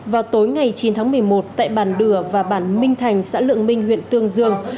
vào tối ngày chín tháng một mươi một tại bản đửa và bản minh thành xã lượng minh huyện tương dương